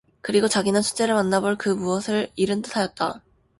그리고 자기는 첫째를 만나 볼 그 무엇을 잃은 듯하였다.